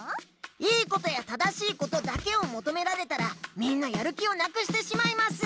良いことや正しいことだけをもとめられたらみんなやる気をなくしてしまいます！